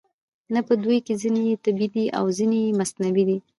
نه په دوی کې ځینې یې طبیعي دي او ځینې یې مصنوعي دي